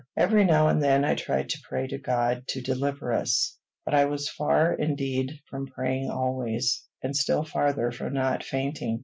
Every now and then I tried to pray to God to deliver us; but I was far indeed from praying always, and still farther from not fainting.